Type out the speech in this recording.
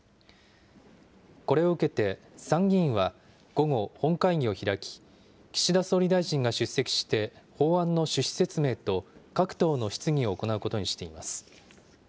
これを受けて参議院は、午後、本会議を開き、岸田総理大臣が出席して、法案の趣旨説明と各党の質疑を行うことにしています。